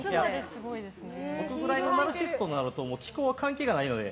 俺くらいのナルシシストになると気候は関係がないので。